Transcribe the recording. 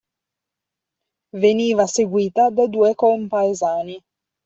Veniva seguita da due compaesani.